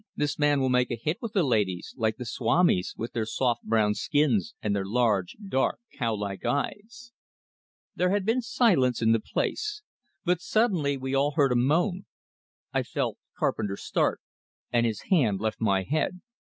"This man will make a hit with the ladies!" Like the swamis, with their soft brown skins, and their large, dark, cow like eyes! There had been silence in the place. But suddenly we all heard a moan; I felt Carpenter start, and his hand left my head.